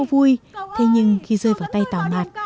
vui thế nhưng khi rơi vào tay tàu mặt